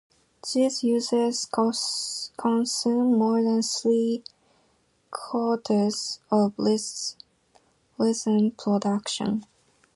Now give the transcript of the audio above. These uses consume more than three quarters of lithium production.